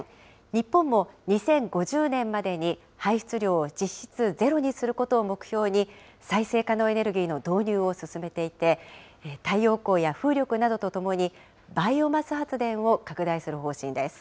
日本も２０５０年までに、排出量を実質ゼロにすることを目標に、再生可能エネルギーの導入を進めていて、太陽光や風力などとともに、バイオマス発電を拡大する方針です。